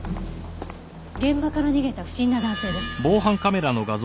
現場から逃げた不審な男性です。